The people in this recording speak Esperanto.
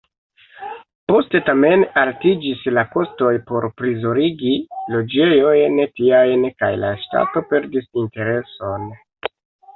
Poste, tamen, altiĝis la kostoj por prizorgi loĝejojn tiajn, kaj la ŝtato perdis intereson.